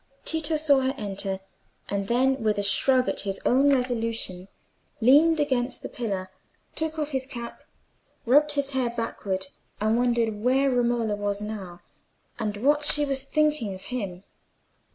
Tito saw her enter; and then with a shrug at his own resolution, leaned against a pillar, took off his cap, rubbed his hair backward, and wondered where Romola was now, and what she was thinking of him.